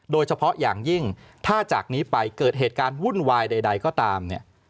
โดยเฉพาะอย่างยิ่งถ้าจากนี้ไปเกิดเหตุการณ์วุ่นวายใดก็ตามเนี่ย